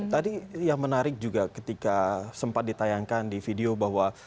tadi yang menarik juga ketika sempat ditayangkan di video bahwa